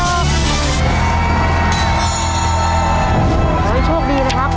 ขอให้โชคดีนะครับ